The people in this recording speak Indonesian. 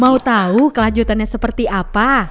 mau tahu kelanjutannya seperti apa